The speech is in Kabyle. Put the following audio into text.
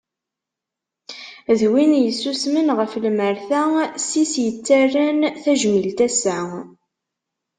D wid yessusemen ɣef lmerta-s i s-yettarran tajmilt assa.